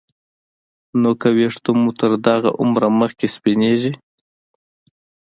نو که ویښته مو تر دغه عمره مخکې سپینېږي